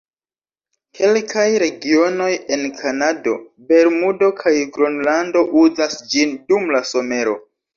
Kelkaj regionoj en Kanado, Bermudo kaj Gronlando uzas ĝin dum la somero.